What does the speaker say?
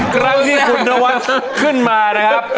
กลางที่ขุนตะวัดขึ้นมานะครับ